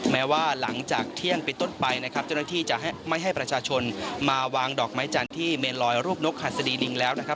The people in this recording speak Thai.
แม้ว่าหลังจากเที่ยงไปต้นไปนะครับเจ้าหน้าที่จะไม่ให้ประชาชนมาวางดอกไม้จันทร์ที่เมนลอยรูปนกหัสดีลิงแล้วนะครับ